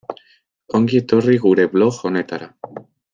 Ongi etorri gure blog honetara.